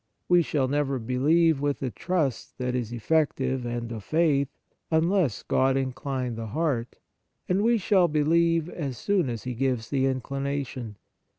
We shall never believe with a trust that is effective and of faith, unless God in cline the heart ; and we shall believe as soon as He gives the inclination."!